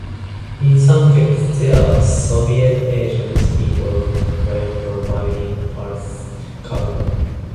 In some cases there were Soviet agents involved when providing false cover.